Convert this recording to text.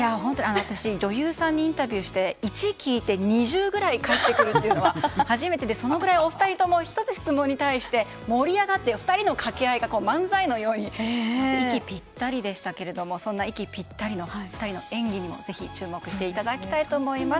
私、女優さんにインタビューして１聞いて２０ぐらい返ってくるのは初めてで、そのぐらいお二人とも１つの質問に対して盛り上がって、２人の掛け合いが漫才のように息ぴったりでしたけれどもそんな息ぴったりの２人の演技にも注目していただきたいと思います。